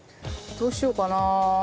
どうしようかな。